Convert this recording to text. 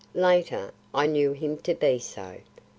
Later, I knew him to be so.